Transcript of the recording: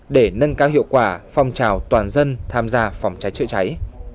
để nâng cao hiệu quả phong trào toàn dân tham gia phòng cháy chữa cháy